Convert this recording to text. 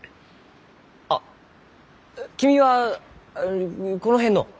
あっ君はこの辺の？